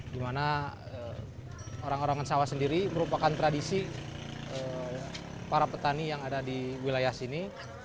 dimana orang orang ansawah sendiri merupakan tradisi para petani yang ada di wilayah sini